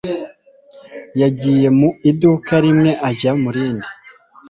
Yagiye mu iduka rimwe ajya mu rindi.